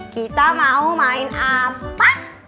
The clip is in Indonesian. kita mau main apa